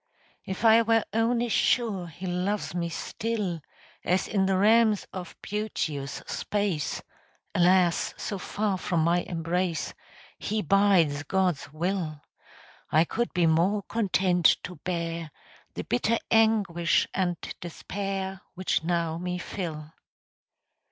If I were only sure He loves me still, As in the realms of beauteous space (Alas! so far from my embrace) He bides God's will, I could be more content to bear The bitter anguish and despair Which now me fill.